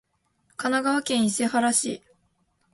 神奈川県伊勢原市